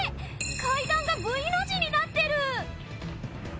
階段がＶの字になってる！